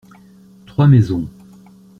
Trois maisons.